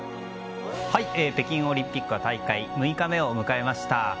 北京オリンピックは大会６日目を迎えました。